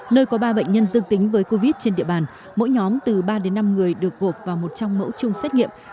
nơi có ba bệnh nhân dương tính với covid trên địa bàn mỗi nhóm từ ba đến năm người được gộp vào một trong mẫu chung xét nghiệm